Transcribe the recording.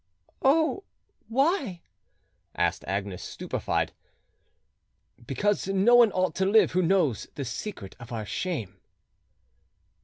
"Oh why?" asked Agnes, stupefied. "Because no one ought to live who knows the secret of our shame."